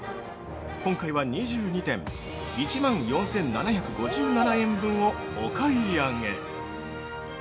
今回は、２２点１万４７５７円分をお買い上げ。